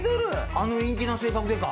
あの陰気な性格でか。